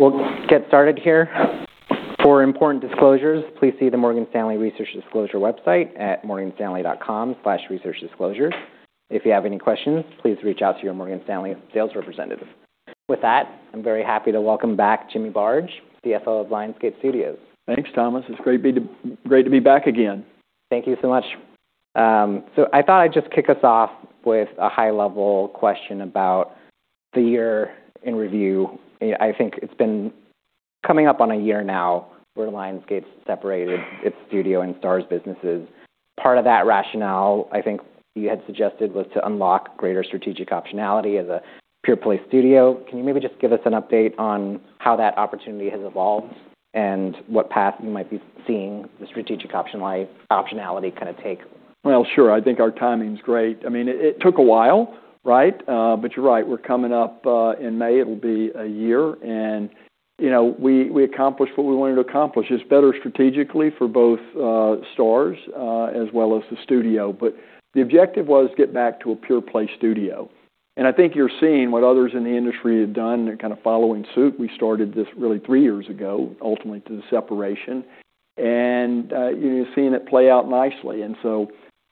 All right, we'll get started here. For important disclosures, please see the Morgan Stanley Research Disclosure website at morganstanley.com/researchdisclosure. If you have any questions, please reach out to your Morgan Stanley sales representative. With that, I'm very happy to welcome back Jimmy Barge, CFO of Lionsgate Studios. Thanks, Thomas. It's great to be back again. Thank you so much. I thought I'd just kick us off with a high-level question about the year in review. I think it's been coming up on a year now where Lionsgate separated its Studio and Starz businesses. Part of that rationale, I think you had suggested, was to unlock greater strategic optionality as a pure-play Studio. Can you maybe just give us an update on how that opportunity has evolved and what path you might be seeing the strategic optionality kind of take? Well, sure. I think our timing's great. I mean, it took a while, right? You're right, we're coming up in May, it'll be a year. You know, we accomplished what we wanted to accomplish. It's better strategically for both Starz as well as the Studio. The objective was get back to a pure-play Studio. I think you're seeing what others in the industry have done. They're kind of following suit. We started this really three years ago, ultimately to the separation, you've seen it play out nicely.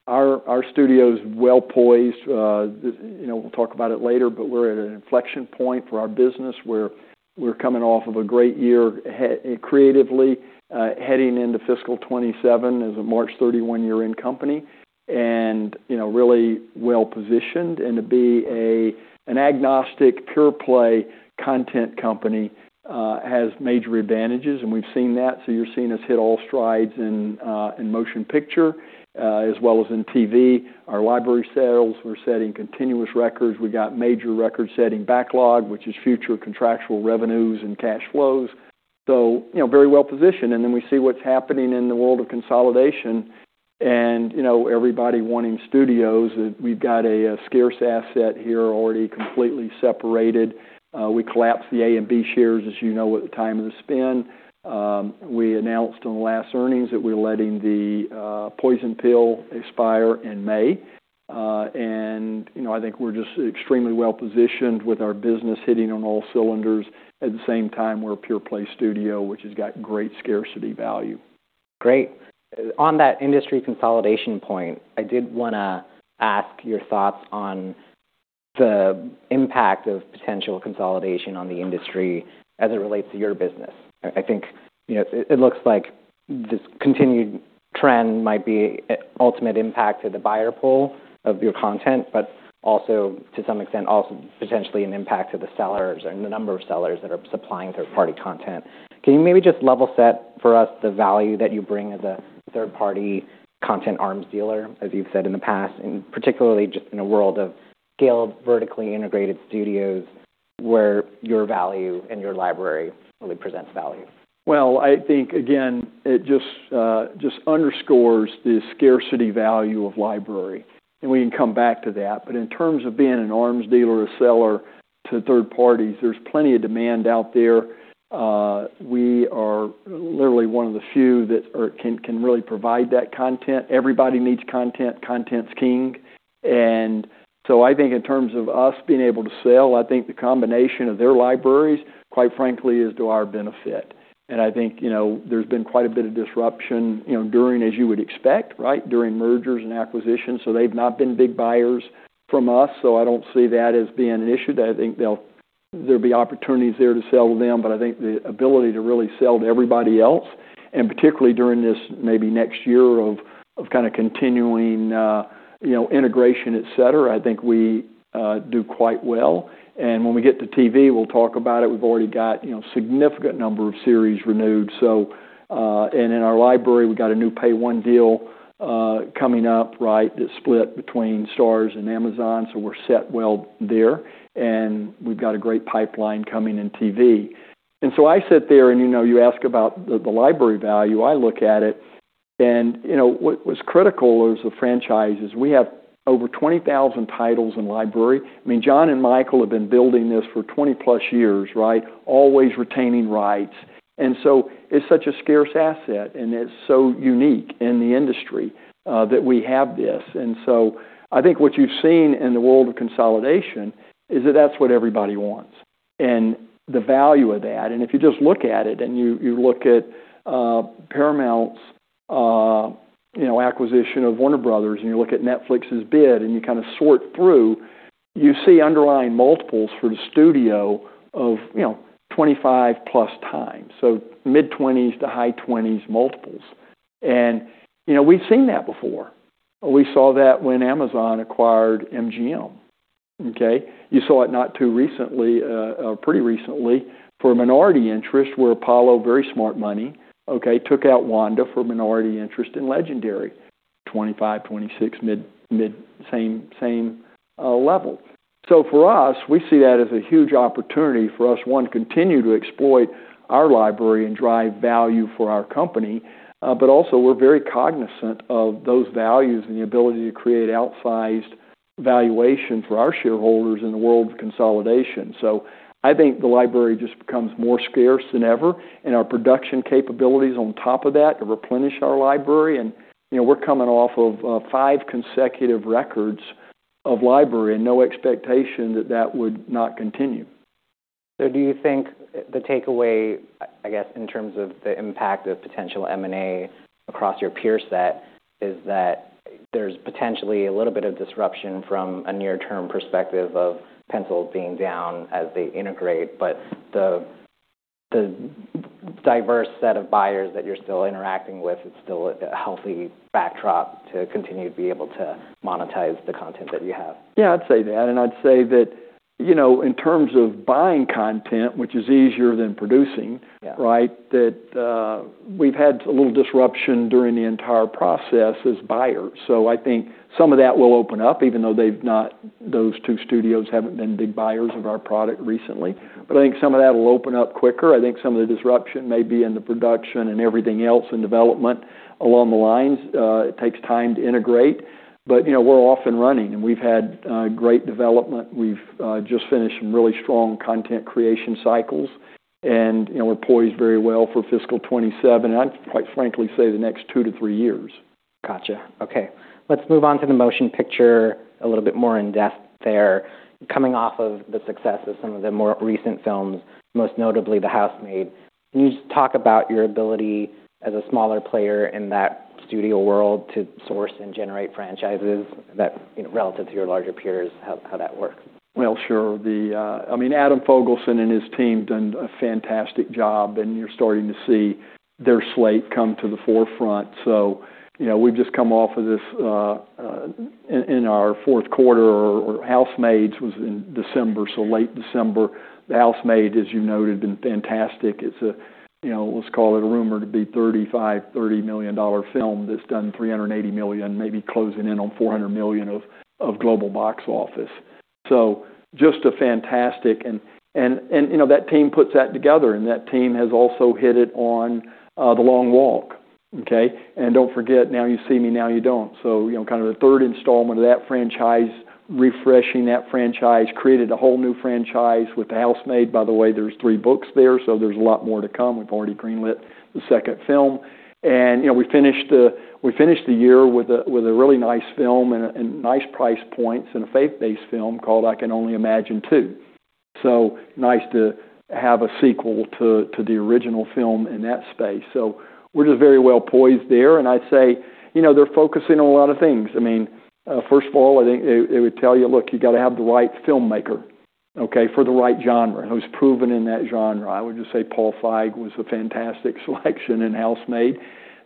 Our Studio is well poised. You know, we'll talk about it later, but we're at an inflection point for our business where we're coming off of a great year creatively heading into fiscal 2027 as a March 31 year-end company and, you know, really well-positioned. To be an agnostic pure-play content company has major advantages, and we've seen that. You're seeing us hit all strides in motion picture as well as in TV. Our library sales, we're setting continuous records. We got major record-setting backlog, which is future contractual revenues and cash flows. You know, very well-positioned. We see what's happening in the world of consolidation and, you know, everybody wanting studios. We've got a scarce asset here already completely separated. We collapsed the A and B shares, as you know, at the time of the spin. We announced on the last earnings that we're letting the poison pill expire in May. You know, I think we're just extremely well-positioned with our business hitting on all cylinders. At the same time, we're a pure-play Studio, which has got great scarcity value. Great. On that industry consolidation point, I did wanna ask your thoughts on the impact of potential consolidation on the industry as it relates to your business. I think, you know, it looks like this continued trend might be ultimate impact to the buyer pool of your content, but also to some extent, also potentially an impact to the sellers and the number of sellers that are supplying third-party content. Can you maybe just level set for us the value that you bring as a third-party content arms dealer, as you've said in the past, and particularly just in a world of scaled, vertically integrated studios where your value and your Library really presents value? I think, again, it just underscores the scarcity value of Library, and we can come back to that. In terms of being an arms dealer or seller to third parties, there's plenty of demand out there. We are literally one of the few that can really provide that content. Everybody needs content. Content's king. I think in terms of us being able to sell, I think the combination of their libraries, quite frankly, is to our benefit. I think, you know, there's been quite a bit of disruption, you know, during, as you would expect, right, during mergers and acquisitions. They've not been big buyers from us. I don't see that as being an issue. I think there'll be opportunities there to sell to them. I think the ability to really sell to everybody else, and particularly during this maybe next year of kind of continuing, you know, integration, et cetera, I think we do quite well. When we get to TV, we'll talk about it. We've already got, you know, significant number of series renewed, so. In our library, we've got a new Pay-1 deal coming up, right, that's split between Starz and Amazon. We're set well there. We've got a great pipeline coming in TV. I sit there and, you know, you ask about the Library value. I look at it and, you know, what was critical is the franchises. We have over 20,000 titles in Library. I mean, John and Michael have been building this for 20+ years, right? Always retaining rights. It's such a scarce asset, and it's so unique in the industry, that we have this. I think what you've seen in the world of consolidation is that that's what everybody wants and the value of that. If you just look at it and you look at Paramount's, you know, acquisition of Warner Bros., and you look at Netflix's bid and you kind of sort through, you see underlying multiples for the studio of, you know, 25+ times, so mid-20s to high-20s multiples. You know, we've seen that before. We saw that when Amazon acquired MGM. Okay. You saw it not too recently, or pretty recently for a minority interest where Apollo, very smart money, okay, took out Wanda for minority interest in Legendary, 2025, 2026, mid, same level. For us, we see that as a huge opportunity for us, one, continue to exploit our Library and drive value for our company. Also, we're very cognizant of those values and the ability to create outsized valuation for our shareholders in the world of consolidation. I think the Library just becomes more scarce than ever and our production capabilities on top of that to replenish our Library. you know, we're coming off of five consecutive records-of Library and no expectation that that would not continue. Do you think the takeaway, I guess, in terms of the impact of potential M&A across your peer set is that there's potentially a little bit of disruption from a near-term perspective of pencils being down as they integrate, but the diverse set of buyers that you're still interacting with is still a healthy backdrop to continue to be able to monetize the content that you have? Yeah, I'd say that. I'd say that, you know, in terms of buying content, which is easier than producing. Yeah Right? That we've had a little disruption during the entire process as buyers. I think some of that will open up even though those two studios haven't been big buyers of our product recently. I think some of that will open up quicker. I think some of the disruption may be in the production and everything else in development along the lines. It takes time to integrate. You know, we're off and running, and we've had great development. We've just finished some really strong content creation cycles, and, you know, we're poised very well for fiscal 2027, and I'd quite frankly say the next two to three years. Gotcha. Okay. Let's move on to the motion picture a little bit more in-depth there. Coming off of the success of some of the more recent films, most notably The Housemaid, can you just talk about your ability as a smaller player in that studio world to source and generate franchises that, you know, relative to your larger peers, how that works? Well, sure. Adam Fogelson and his team done a fantastic job, you're starting to see their slate come to the forefront. We've just come off of this in our fourth quarter or The Housemaid was in December, late December. The Housemaid, as you noted, been fantastic. It's a, let's call it a rumored to be $35 million, $30 million dollar film that's done $380 million, maybe closing in on $400 million of global box office. Just a fantastic. That team puts that together, that team has also hit it on The Long Walk, okay? Don't forget, Now You See Me: Now You Don't. You know, kind of a third installment of that franchise, refreshing that franchise, created a whole new franchise with The Housemaid. By the way, there's three books there, so there's a lot more to come. We've already greenlit the second film. You know, we finished the year with a really nice film and nice price points and a faith-based film called I Can Only Imagine 2. Nice to have a sequel to the original film in that space. We're just very well poised there. I'd say, you know, they're focusing on a lot of things. I mean, first of all, I think they would tell you, "Look, you gotta have the right filmmaker, okay? For the right genre, who's proven in that genre." I would just say Paul Feig was a fantastic selection in The Housemaid.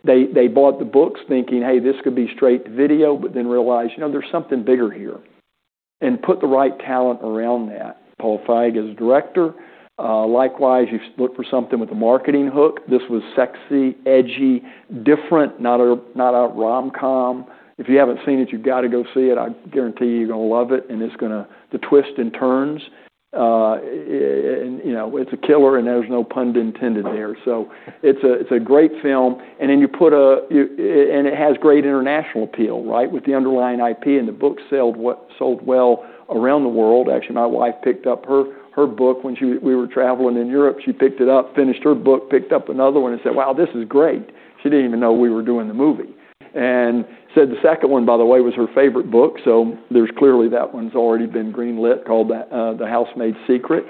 They bought the books thinking, "Hey, this could be straight to video," realized, you know, there's something bigger here. Put the right talent around that. Paul Feig as director. Likewise, you look for something with a marketing hook. This was sexy, edgy, different, not a rom-com. If you haven't seen it, you've gotta go see it. I guarantee you're gonna love it, and it's gonna The twists and turns, you know, it's a killer, and there's no pun intended there. It's a great film. It has great international appeal, right? With the underlying IP, the book sold well around the world. Actually, my wife picked up her book when we were traveling in Europe. She picked it up, finished her book, picked up another one and said, "Wow, this is great." She didn't even know we were doing the movie. Said the second one, by the way, was her favorite book, so there's clearly that one's already been greenlit called The Housemaid's Secret.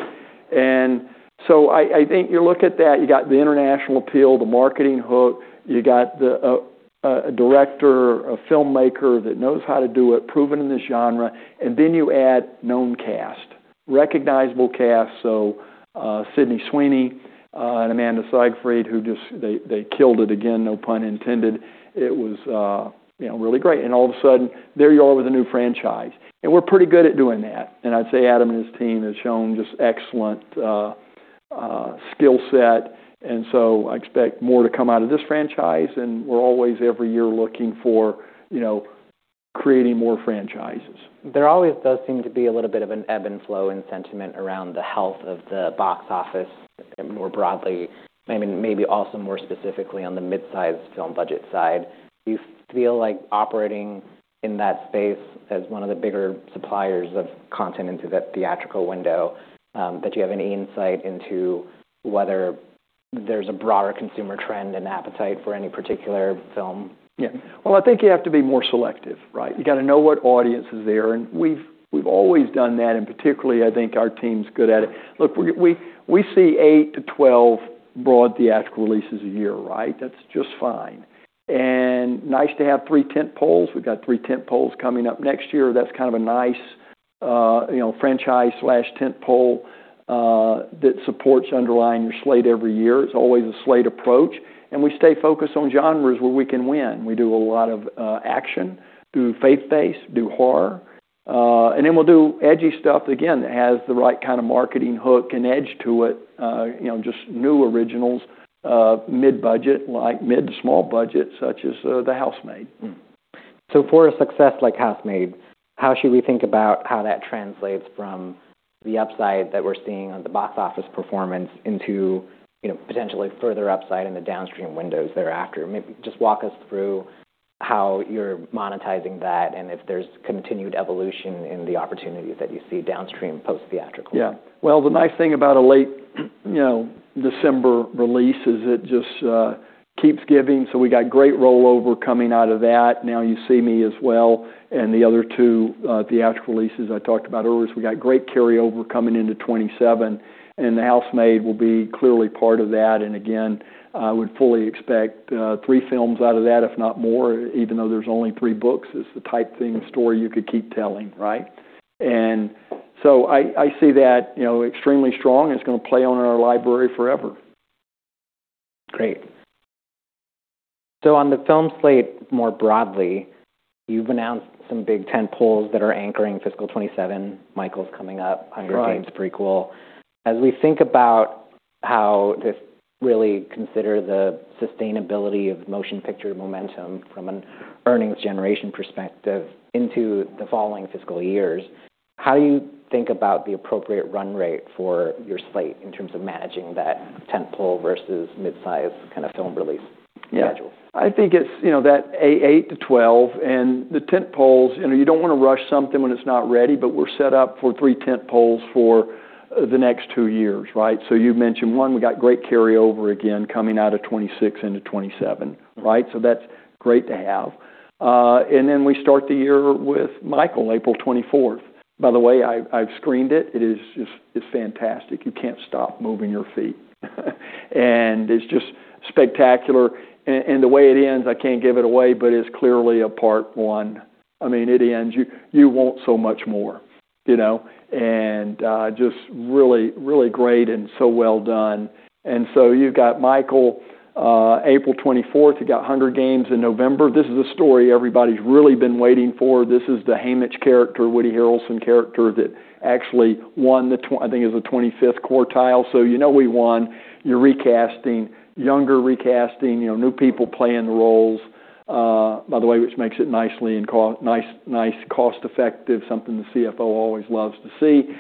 I think you look at that, you got the international appeal, the marketing hook, you got a director, a filmmaker that knows how to do it, proven in the genre, and then you add known cast, recognizable cast. Sydney Sweeney and Amanda Seyfried, who just, they killed it again, no pun intended. It was, you know, really great. All of a sudden, there you are with a new franchise. We're pretty good at doing that. I'd say Adam and his team has shown just excellent skill set. I expect more to come out of this franchise, and we're always every year looking for, you know, creating more franchises. There always does seem to be a little bit of an ebb and flow in sentiment around the health of the box office more broadly, and maybe also more specifically on the mid-sized film budget side. Do you feel like operating in that space as one of the bigger suppliers of content into that theatrical window, that you have any insight into whether there's a broader consumer trend and appetite for any particular film? Well, I think you have to be more selective, right? You gotta know what audience is there, and we've always done that, and particularly, I think our team's good at it. Look, we see eight to 12 broad theatrical releases a year, right? That's just fine. Nice to have three tentpoles. We've got three tentpoles coming up next year. That's kind of a nice, you know, franchise/tentpole that supports underlying your slate every year. It's always a slate approach. We stay focused on genres where we can win. We do a lot of action, do faith-based, do horror. We'll do edgy stuff, again, that has the right kind of marketing hook and edge to it, you know, just new originals, mid-budget, like mid to small budget, such as The Housemaid. For a success like The Housemaid, how should we think about how that translates from the upside that we're seeing on the box office performance into, you know, potentially further upside in the downstream windows thereafter? Maybe just walk us through how you're monetizing that, and if there's continued evolution in the opportunities that you see downstream post-theatrical? Yeah. Well, the nice thing about a late, you know, December release is it just keeps giving. We got great rollover coming out of that. Now You See Me: Now You Don't as well, the other two theatrical releases I talked about earlier. We got great carryover coming into 2027, and The Housemaid will be clearly part of that. Again, I would fully expect three films out of that, if not more, even though there's only three books. It's the type thing, story you could keep telling, right? I see that, you know, extremely strong, and it's gonna play on in our Library forever. Great. On the film slate, more broadly, you've announced some big tentpoles that are anchoring fiscal 2027. Michael's coming up- Right The Hunger Games prequel. As we think about how to really consider the sustainability of motion picture momentum from an earnings generation perspective into the following fiscal years, how do you think about the appropriate run rate for your slate in terms of managing that tentpole versus mid-size kind of film release- Yeah... schedule? I think it's, you know, that eight to 12 and the tentpoles, you know, you don't wanna rush something when it's not ready, but we're set up for three tentpoles for the next two years, right? You've mentioned one. We got great carryover again coming out of 2026 into 2027, right? That's great to have. Then we start the year with Michael, April 24th. By the way, I've screened it. It is just, it's fantastic. You can't stop moving your feet. It's just spectacular. The way it ends, I can't give it away, but it's clearly a part one. I mean, it ends, you want so much more, you know. Just really, really great and so well done. You've got Michael, April 24th. You got The Hunger Games: Sunrise on the Reaping in November. This is a story everybody's really been waiting for. This is the Haymitch character, Woody Harrelson character, that actually won I think it was the 25th quartile. You know we won. You're recasting, younger recasting, you know, new people playing the roles, by the way, which makes it nicely cost-effective, something the CFO always loves to see.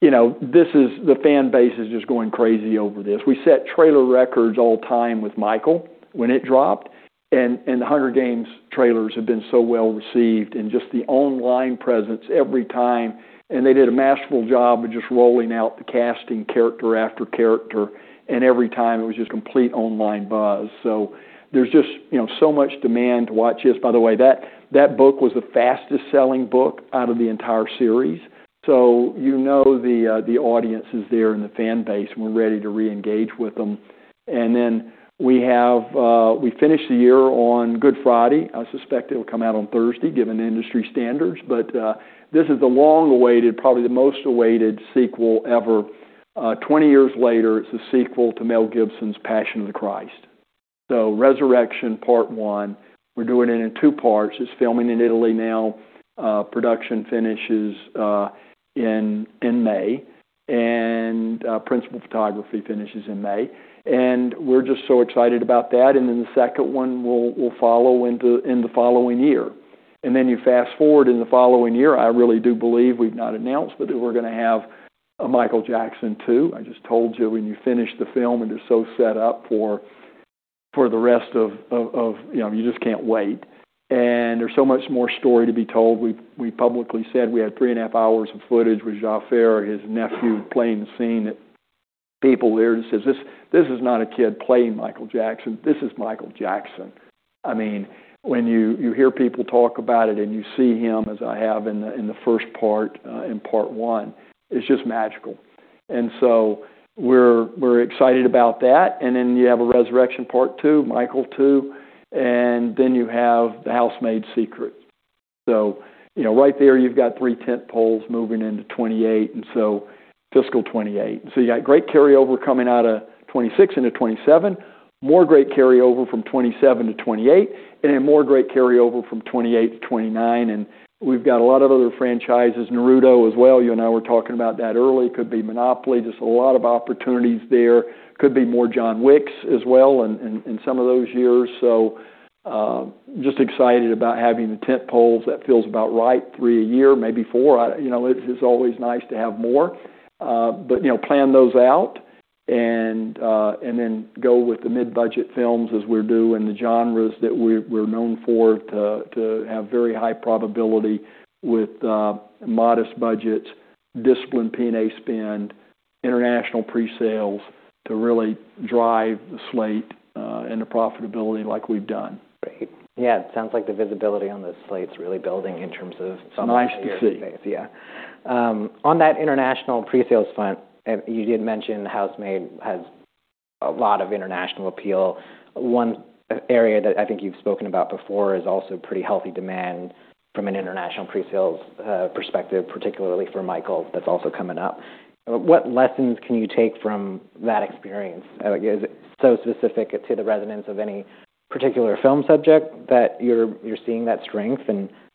You know, the fan base is just going crazy over this. We set trailer records all time with Michael when it dropped. The Hunger Games: Sunrise on the Reaping trailers have been so well-received and just the online presence every time. They did a masterful job of just rolling out the casting character after character. Every time, it was just complete online buzz. There's just, you know, so much demand to watch this. By the way, that book was the fastest-selling book out of the entire series. You know the audience is there and the fan base, and we're ready to reengage with them. We finish the year on Good Friday. I suspect it'll come out on Thursday, given the industry standards. This is the long-awaited, probably the most awaited sequel ever. 20 years later, it's a sequel to Mel Gibson's The Passion of the Christ. The Resurrection Part One, we're doing it in two parts. It's filming in Italy now. Production finishes in May and principal photography finishes in May. We're just so excited about that. The second one will follow in the following year. You fast-forward in the following year. I really do believe, we've not announced, but that we're gonna have a Michael Jackson 2. I just told you when you finish the film, you're so set up for the rest of, you know, you just can't wait. There's so much more story to be told. We publicly said we had three and a half hours of footage with Jaafar, his nephew, playing the scene that people there just says, "This is not a kid playing Michael Jackson. This is Michael Jackson." I mean, when you hear people talk about it, and you see him, as I have in the first part, in Part One, it's just magical. We're excited about that. Then you have a The Resurrection Part Two, Michael Two, and then you have The Housemaid's Secret. You know, right there you've got three tentpoles moving into 2028, and so fiscal 2028. You got great carryover coming out of 2026 into 2027, more great carryover from 2027 to 2028, more great carryover from 2028 to 2029. We've got a lot of other franchises, Naruto as well. You and I were talking about that earlier. It could be Monopoly. There's a lot of opportunities there. Could be more John Wicks as well in some of those years. Just excited about having the tentpoles. That feels about right, three a year, maybe four. I don't. You know, it's always nice to have more. You know, plan those out and then go with the mid-budget films as we do and the genres that we're known for to have very high probability with, modest budgets, disciplined P&A spend, international presales to really drive the slate, and the profitability like we've done. Great. Yeah. It sounds like the visibility on the slate's really building in terms of some of the- It's nice to see. ...yeah. On that international presales front, you did mention The Housemaid has a lot of international appeal. One area that I think you've spoken about before is also pretty healthy demand from an international presales perspective, particularly for Michael, that's also coming up. What lessons can you take from that experience? Again, is it so specific to the resonance of any particular film subject that you're seeing that strength?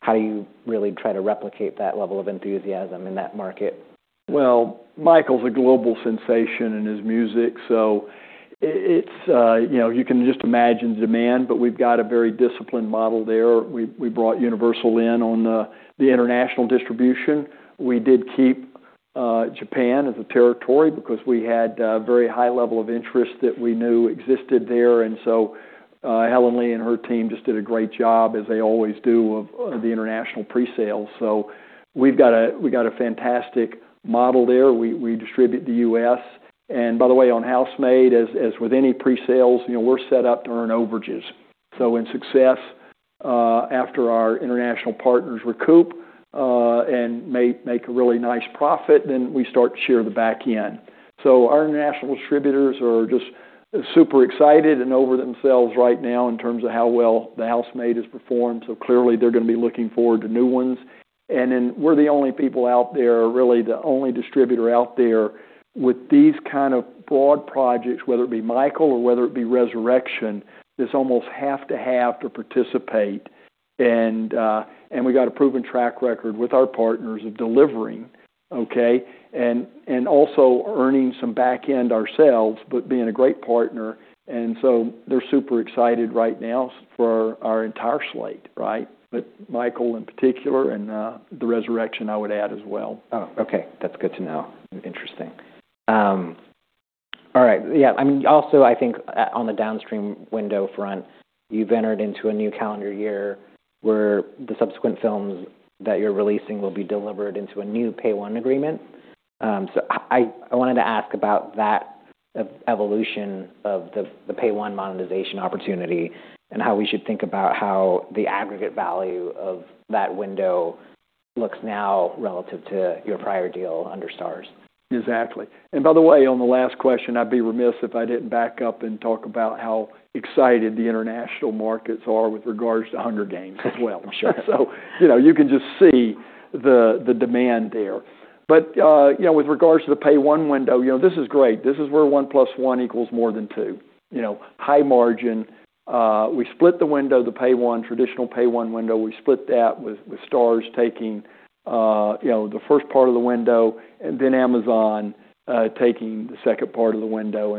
How do you really try to replicate that level of enthusiasm in that market? Well, Michael's a global sensation in his music, so it's, you know, you can just imagine demand. We've got a very disciplined model there. We brought Universal in on the international distribution. We did keep Japan as a territory because we had very high level of interest that we knew existed there. Helen Lee and her team just did a great job, as they always do of the international presale. We've got a fantastic model there. We distribute the U.S., and by the way, on Housemaid, as with any presales, you know, we're set up to earn overages. In success, after our international partners recoup and make a really nice profit, then we start to share the back end. Our international distributors are just super excited and over themselves right now in terms of how well The Housemaid has performed. Clearly they're gonna be looking forward to new ones. Then we're the only people out there, really the only distributor out there with these kind of broad projects, whether it be Michael or whether it be The Resurrection, that's almost have to participate. We've got a proven track record with our partners of delivering, okay? Also earning some back end ourselves, but being a great partner. They're super excited right now for our entire slate, right? Michael in particular and, The Resurrection I would add as well. Oh, okay. That's good to know. Interesting. All right. Yeah. I mean, also I think on the downstream window front, you've entered into a new calendar year where the subsequent films that you're releasing will be delivered into a new Pay-1 agreement. I wanted to ask about that evolution of the Pay-1 monetization opportunity and how we should think about how the aggregate value of that window looks now relative to your prior deal under Starz. Exactly. By the way, on the last question, I'd be remiss if I didn't back up and talk about how excited the international markets are with regards to The Hunger Games as well. Sure. You know, you can just see the demand there. You know, with regards to the Pay-1 window, you know, this is great. This is where one plus one equals more than two, you know, high margin. We split the window, the Pay-1, traditional Pay-1 window. We split that with Starz taking, you know, the first part of the window and then Amazon, taking the second part of the window.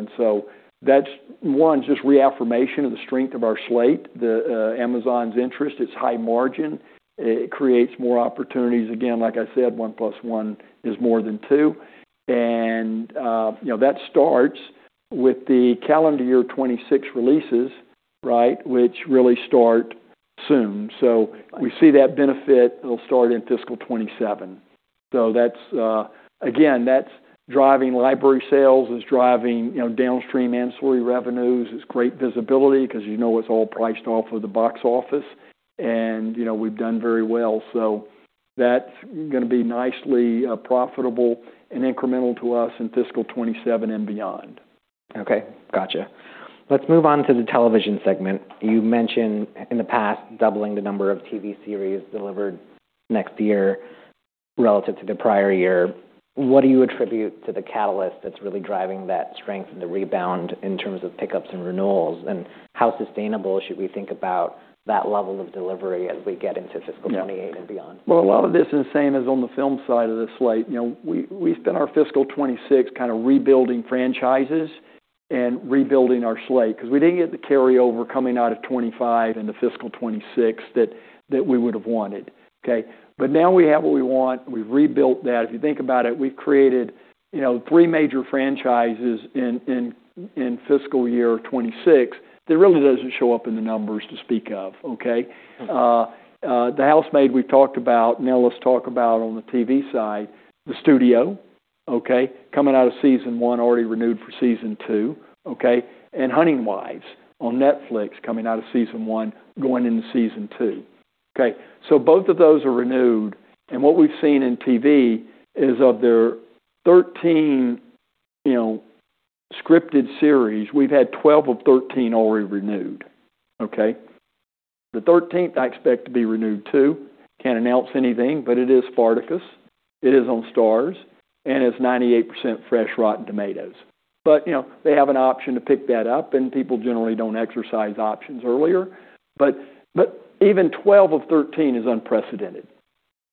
That's, one, just reaffirmation of the strength of our slate. The Amazon's interest, it's high margin. It creates more opportunities. Again, like I said, one plus one is more than two. You know, that starts with the calendar year 2026 releases, right, which really start soon. We see that benefit, it'll start in fiscal 2027. That's, again, that's driving Library sales. It's driving, you know, downstream ancillary revenues. It's great visibility because you know it's all priced off of the box office, and, you know, we've done very well. That's gonna be nicely profitable and incremental to us in fiscal 2027 and beyond. Okay. Gotcha. Let's move on to the television segment. You mentioned in the past doubling the number of TV series delivered next year relative to the prior year. What do you attribute to the catalyst that's really driving that strength and the rebound in terms of pickups and renewals? How sustainable should we think about that level of delivery as we get into fiscal 2028 and beyond? Well, a lot of this is the same as on the film side of the slate. You know, we spent our fiscal 2026 kind of rebuilding franchises and rebuilding our slate because we didn't get the carryover coming out of 2025 into fiscal 2026 that we would have wanted, okay? Now we have what we want. We've rebuilt that. If you think about it, we've created, you know, three major franchises in fiscal year 2026 that really doesn't show up in the numbers to speak of, okay? Okay. The Housemaid we've talked about. Let's talk about on the TV side, The Studio, okay? Coming out of season 1, already renewed for season 2, okay? The Hunting Wives on Netflix coming out of season one, going into season two. Okay. Both of those are renewed. What we've seen in TV is of their 13, you know, scripted series, we've had 12 of 13 already renewed, okay? The 13th I expect to be renewed too. Can't announce anything, but it is Spartacus. It is on Starz, and it's 98% fresh Rotten Tomatoes. You know, they have an option to pick that up, and people generally don't exercise options earlier. Even 12 of 13 is unprecedented,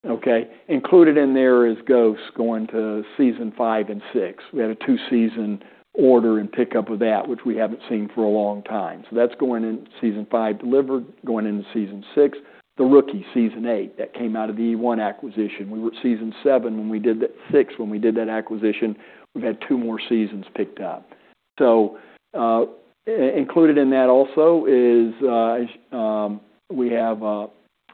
okay? Included in there is Ghosts going to season 5 and 6. We had a two-season order and pickup of that, which we haven't seen for a long time. That's going in season five delivered, going into season six. The Rookie, season eight, that came out of the eOne acquisition. We were at season seven when we did six when we did that acquisition. We've had two more seasons picked up. Included in that also is we have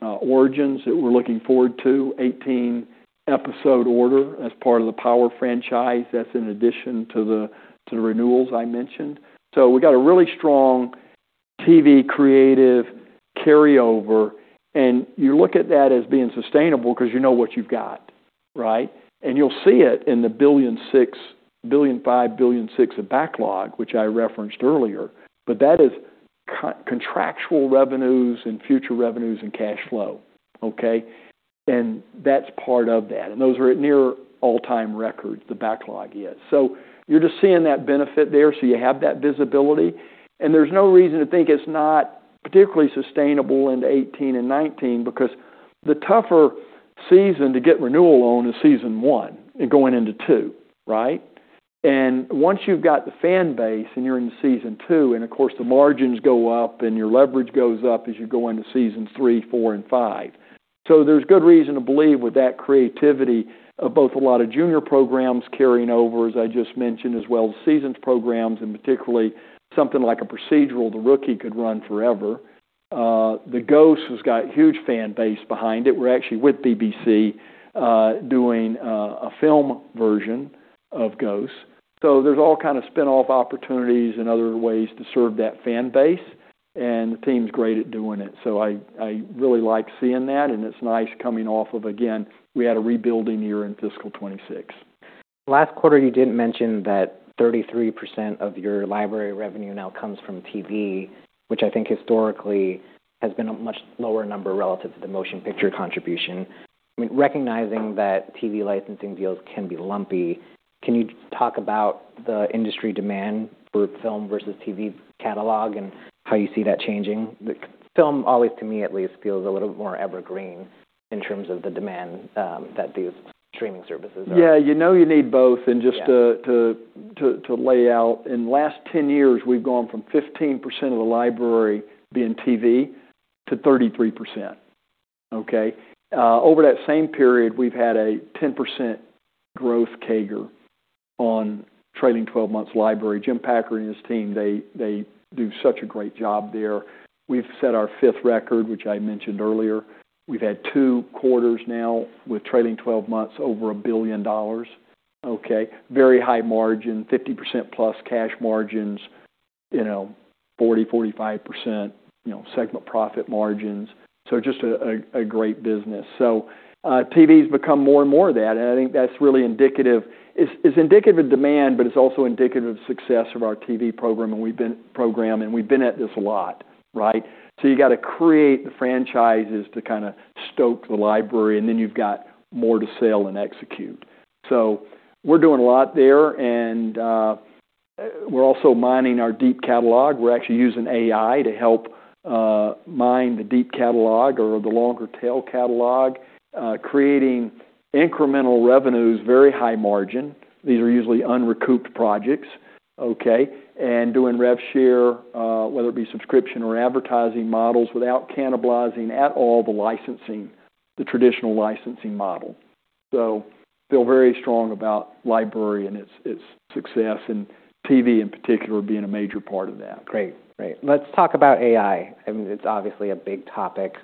Origins that we're looking forward to, 18-episode order as part of the Power franchise. That's in addition to the renewals I mentioned. We've got a really strong TV creative carryover, you look at that as being sustainable because you know what you've got, right? You'll see it in the $1.5 billion, $1.6 billion of backlog, which I referenced earlier. That is co-contractual revenues and future revenues and cash flow, okay? That's part of that. Those are at near all-time records, the backlog is. You're just seeing that benefit there, so you have that visibility. There's no reason to think it's not particularly sustainable into 2018 and 2019 because the tougher season to get renewal on is season one and going into two, right? Once you've got the fan base and you're in season two, and of course, the margins go up and your leverage goes up as you go into seasons three, four, and five. There's good reason to believe with that creativity of both a lot of junior programs carrying over, as I just mentioned, as well as seasons programs, and particularly something like a procedural, The Rookie, could run forever. Ghosts has got huge fan base behind it. We're actually with BBC, doing a film version of Ghosts. There's all kind of spin-off opportunities and other ways to serve that fan base, and the team's great at doing it. I really like seeing that, and it's nice coming off of, again, we had a rebuilding year in fiscal 2026. Last quarter, you did mention that 33% of your Library revenue now comes from TV, which I think historically has been a much lower number relative to the motion picture contribution. I mean, recognizing that TV licensing deals can be lumpy, can you talk about the industry demand for film versus TV catalog and how you see that changing? The film always, to me at least, feels a little bit more evergreen in terms of the demand, that these streaming services... Yeah. You know you need both. Yeah. Just to lay out, in the last 10 years, we've gone from 15% of the library being TV to 33%. Okay? Over that same period, we've had a 10% growth CAGR on trailing 12 months library. Jim Packer and his team, they do such a great job there. We've set our fifth record, which I mentioned earlier. We've had two quarters now with trailing 12 months over $1 billion. Okay? Very high margin, 50% plus cash margins, you know, 40%-45%, you know, segment profit margins. Just a great business. TV's become more and more of that, and I think that's really indicative. It's indicative of demand, but it's also indicative of success of our TV program, and we've been at this a lot, right? You gotta create the franchises to kinda stoke the library, and then you've got more to sell and execute. We're doing a lot there. We're also mining our deep catalog. We're actually using AI to help mine the deep catalog or the longer tail catalog, creating incremental revenues, very high margin. These are usually unrecouped projects, okay, and doing rev share, whether it be subscription or advertising models, without cannibalizing at all the licensing, the traditional licensing model. Feel very strong about library and its success, and TV in particular being a major part of that. Great. Great. Let's talk about AI. I mean, it's obviously a big topic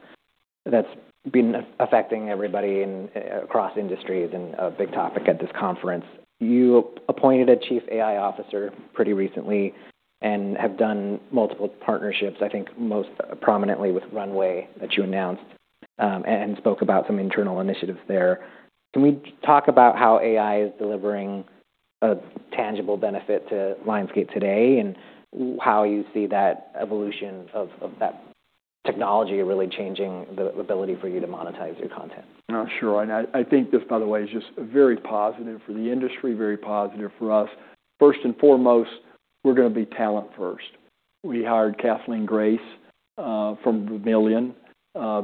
that's been affecting everybody in, across industries and a big topic at this conference. You appointed a chief AI officer pretty recently and have done multiple partnerships, I think most prominently with Runway that you announced, and spoke about some internal initiatives there. Can we talk about how AI is delivering a tangible benefit to Lionsgate today, and how you see that evolution of that technology really changing the ability for you to monetize your content? I think this, by the way, is just very positive for the industry, very positive for us. First and foremost, we're gonna be talent first. We hired Kathleen Grace from Vermillio,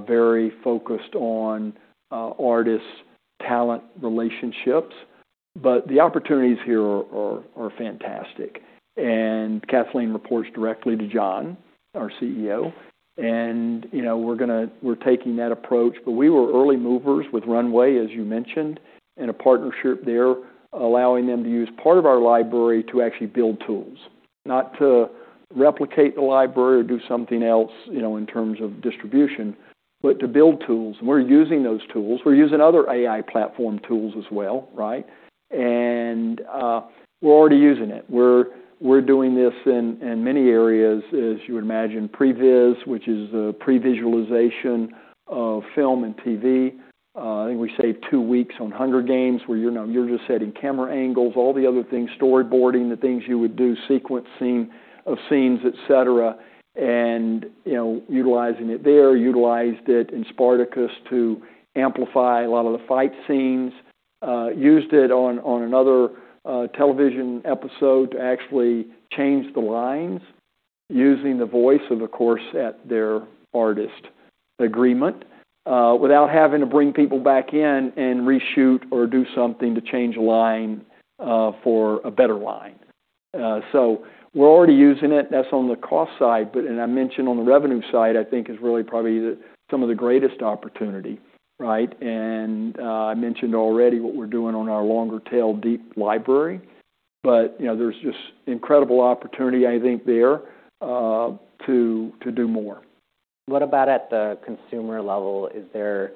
very focused on artists-talent relationships. The opportunities here are fantastic. Kathleen reports directly to John, our CEO. You know, we're taking that approach. We were early movers with Runway, as you mentioned, in a partnership there, allowing them to use part of our library to actually build tools. Not to replicate the library or do something else, you know, in terms of distribution, but to build tools. We're using those tools. We're using other AI platform tools as well, right? We're already using it. We're doing this in many areas, as you would imagine, Previz, which is the pre-visualization of film and TV. I think we saved two weeks on The Hunger Games, where, you know, you're just setting camera angles, all the other things, storyboarding, the things you would do, sequencing of scenes, et cetera. You know, utilizing it there. Utilized it in Spartacus to amplify a lot of the fight scenes. Used it on another television episode to actually change the lines using the voice of a course at their artist agreement, without having to bring people back in and reshoot or do something to change a line for a better line. We're already using it. That's on the cost side. I mentioned on the revenue side, I think is really probably the, some of the greatest opportunity, right? I mentioned already what we're doing on our longer tail deep library. You know, there's just incredible opportunity, I think, there, to do more. What about at the consumer level? Is there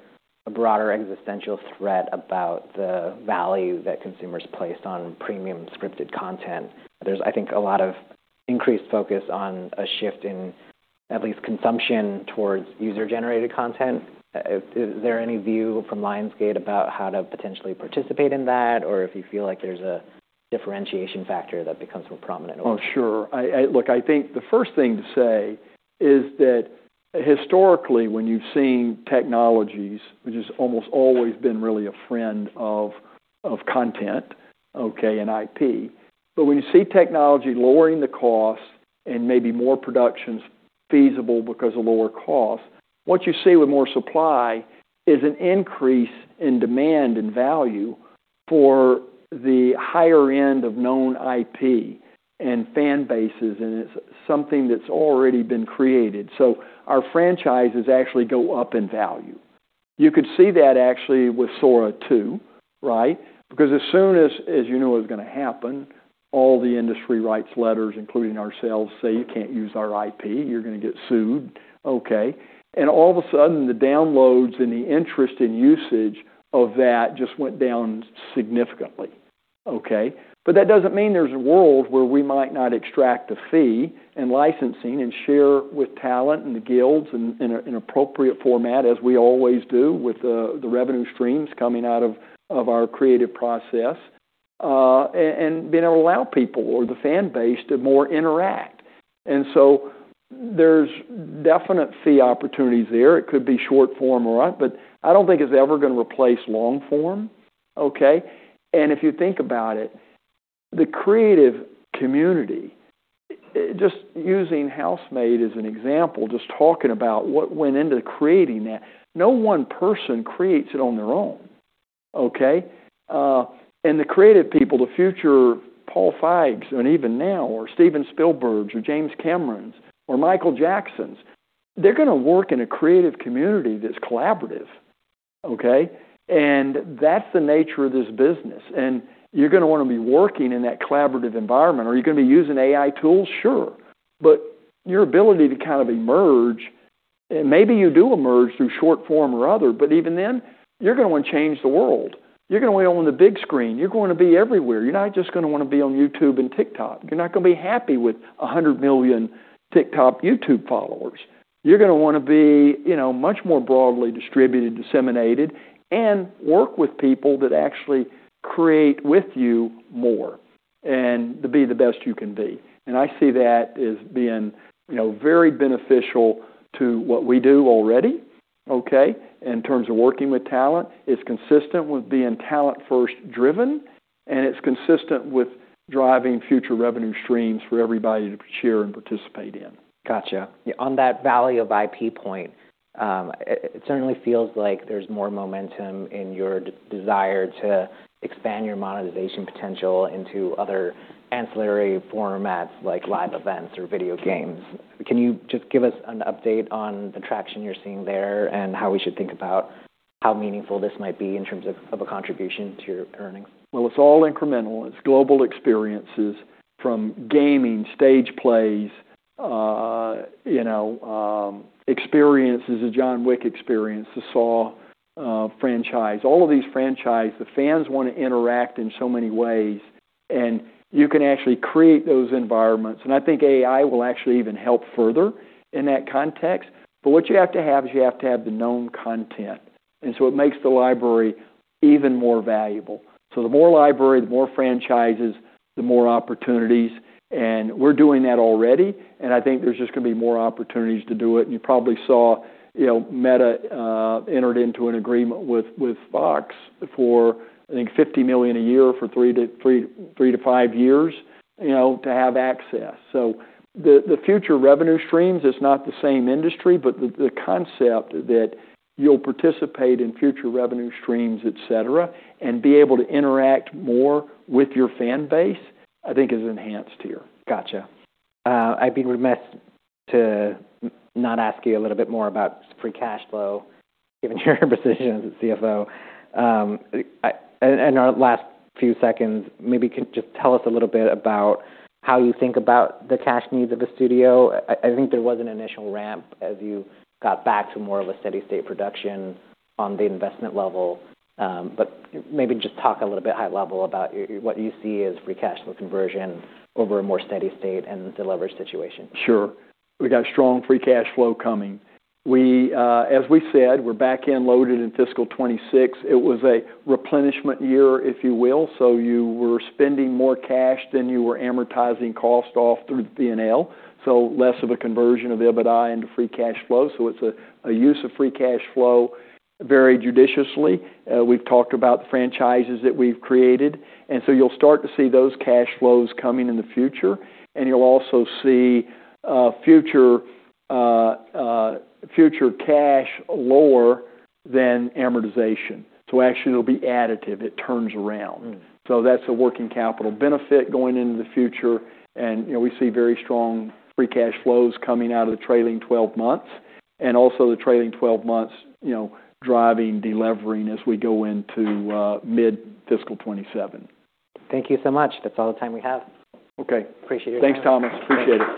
a broader existential threat about the value that consumers place on premium scripted content? There's, I think, a lot of increased focus on a shift in at least consumption towards user-generated content. Is there any view from Lionsgate about how to potentially participate in that, or if you feel like there's a differentiation factor that becomes more prominent over time? Oh, sure. I think the first thing to say is that historically, when you've seen technologies, which has almost always been really a friend of content, okay, and IP. When you see technology lowering the cost and maybe more productions feasible because of lower cost. What you see with more supply is an increase in demand and value for the higher end of known IP and fan bases, and it's something that's already been created. Our franchises actually go up in value. You could see that actually with Sora 2, right? As soon as you know it was gonna happen, all the industry writes letters, including ourselves, say, "You can't use our IP, you're gonna get sued." Okay. All of a sudden, the downloads and the interest in usage of that just went down significantly, okay? That doesn't mean there's a world where we might not extract a fee in licensing and share with talent and the guilds in an appropriate format, as we always do with the revenue streams coming out of our creative process, and then allow people or the fan base to more interact. There's definite fee opportunities there. It could be short form or long, but I don't think it's ever gonna replace long form, okay? If you think about it, the creative community, just using The Housemaid as an example, just talking about what went into creating that, no one person creates it on their own, okay? And the creative people, the future Paul Feigs and even now, or Steven Spielbergs or James Camerons or Michael Jacksons, they're gonna work in a creative community that's collaborative, okay? That's the nature of this business. You're gonna wanna be working in that collaborative environment. Are you gonna be using AI tools? Sure. Your ability to kind of emerge, and maybe you do emerge through short form or other, even then, you're gonna wanna change the world. You're gonna wanna own the big screen. You're going to be everywhere. You're not just gonna wanna be on YouTube and TikTok. You're not gonna be happy with 100 million TikTok, YouTube followers. You're gonna wanna be, you know, much more broadly distributed, disseminated, and work with people that actually create with you more, and to be the best you can be. I see that as being, you know, very beneficial to what we do already, okay? In terms of working with talent, it's consistent with being talent-first driven, and it's consistent with driving future revenue streams for everybody to share and participate in. Gotcha. On that value of IP point, it certainly feels like there's more momentum in your desire to expand your monetization potential into other ancillary formats, like live events or video games. Can you just give us an update on the traction you're seeing there, and how we should think about how meaningful this might be in terms of a contribution to your earnings? It's all incremental. It's global experiences from gaming, stage plays, you know, experiences, the John Wick experience, the Saw franchise. All of these franchise, the fans wanna interact in so many ways, you can actually create those environments. I think AI will actually even help further in that context. What you have to have is you have to have the known content, it makes the library even more valuable. The more library, the more franchises, the more opportunities. We're doing that already, I think there's just gonna be more opportunities to do it. You probably saw, you know, Meta entered into an agreement with Fox for I think $50 million a year for three to five years, you know, to have access. The future revenue streams is not the same industry, but the concept that you'll participate in future revenue streams, et cetera, and be able to interact more with your fan base, I think is enhanced here. Gotcha. I'd be remiss to not ask you a little bit more about free cash flow, given your position as a CFO. In our last few seconds, maybe just tell us a little bit about how you think about the cash needs of the studio. I think there was an initial ramp as you got back to more of a steady state production on the investment level, maybe just talk a little bit high level about what you see as free cash flow conversion over a more steady state and the leverage situation. Sure. We got strong free cash flow coming. We, as we said, we're back-end loaded in fiscal 2026. It was a replenishment year, if you will. You were spending more cash than you were amortizing cost off through P&L, so less of a conversion of EBITDA into free cash flow. It's a use of free cash flow very judiciously. We've talked about the franchises that we've created, and so you'll start to see those cash flows coming in the future. You'll also see future cash lower than amortization. Actually it'll be additive. It turns around. Mm. That's a working capital benefit going into the future. You know, we see very strong free cash flows coming out of the trailing twelve months and also the trailing twelve months, you know, driving, delevering as we go into, mid-fiscal 2027. Thank you so much. That's all the time we have. Okay. Appreciate your time. Thanks, Thomas. Appreciate it.